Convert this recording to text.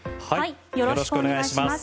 よろしくお願いします。